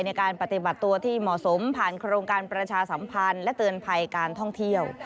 ในการปฏิบัติตัวที่เหมาะสมผ่านโครงการประชาสัมพันธ์และเตือนภัยการท่องเที่ยว